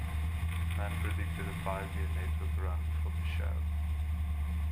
Mann predicted a five-year network run for the show.